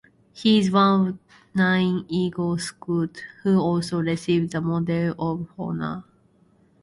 He is one of nine Eagle Scouts who also received the Medal of Honor.